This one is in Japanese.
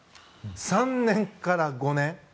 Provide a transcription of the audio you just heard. ３年から５年。